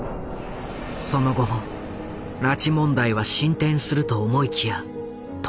その後も拉致問題は進展すると思いきや頓挫する。